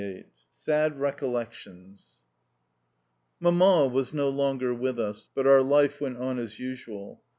XXVIII SAD RECOLLECTIONS Mamma was no longer with us, but our life went on as usual.